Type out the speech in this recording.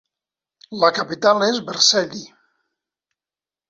La capital és Vercelli.